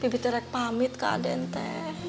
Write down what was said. bibitnya rek pamit ke adente